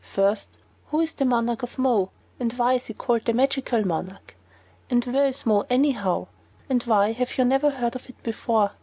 First: Who is the Monarch of Mo? And why is he called the Magical Monarch? And where is Mo, anyhow? And why have you never heard of it before?